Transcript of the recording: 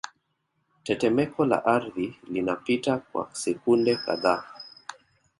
Tetemeko la ardhi linapita kwa sekunde kadhaa